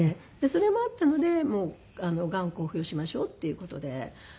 それもあったのでがん公表しましょうっていう事で。